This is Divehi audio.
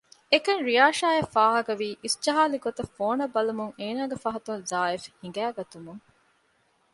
އެކަން ރިޔާޝާ އަށް ފާހަގަ ވީ އިސްޖަހާލި ގޮތަށް ފޯނަށް ބަލަމުން އޭނާގެ ފަހަތުން ޒާއިފް ހިނގައިގަތުމުން